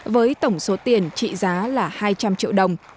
với tổng số tiền trị giá là hai trăm linh triệu đồng